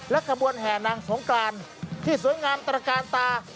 ขบวนแห่นางสงกรานที่สวยงามตระกาลตา